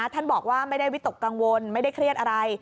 ท่านบอกว่าไม่ได้วิตกกังวลไม่ได้เครียดอะไร